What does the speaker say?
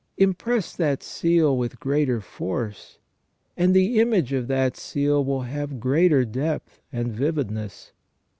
Impress that seal with greater force, and the image of that seal will have greater depth and vividness.